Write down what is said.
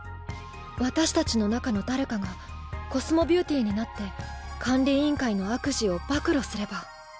私たちの中の誰かがコスモビューティーになって管理委員会の悪事を暴露すれば。